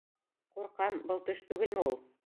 Ҡурҡам: был төш түгелме ул?